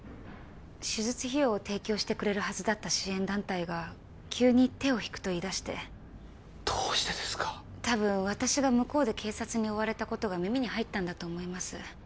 手術費用を提供してくれるはずだった支援団体が急に手を引くと言いだしてどうしてですか多分私が向こうで警察に追われたことが耳に入ったんだと思います